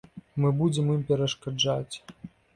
Мы будзем ім перашкаджаць.